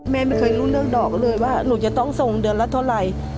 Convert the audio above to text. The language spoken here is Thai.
แม่ไม่เคยรู้เรื่องดอกเลยว่าหนูจะต้องส่งเดือนละเท่าไหร่